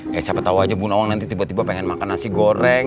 ya siapa tahu aja bu nowang nanti tiba tiba pengen makan nasi goreng